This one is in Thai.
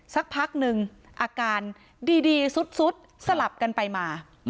สักพักนึงอาการดีสุดสลับกันไปมา